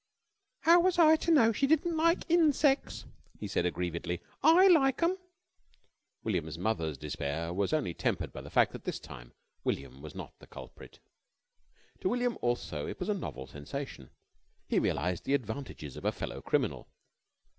"How was I to know she didn't like insecks?" he said, aggrievedly. "I like 'em." William's mother's despair was only tempered by the fact that this time William was not the culprit. To William also it was a novel sensation. He realised the advantages of a fellow criminal.